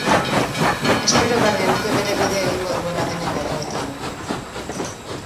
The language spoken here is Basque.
Espero behar genuke bere bidea egingo duela denen gogoetan.